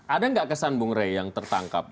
ada nggak kesan bung rey yang tertangkap